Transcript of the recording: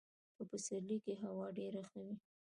په پسرلي کي هوا ډېره ښه وي .